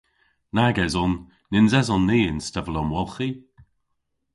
Nag eson. Nyns eson ni y'n stevel-omwolghi.